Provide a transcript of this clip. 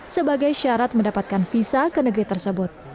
sebagai syarat mendapatkan visa ke negeri tersebut